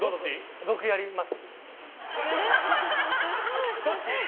僕やります。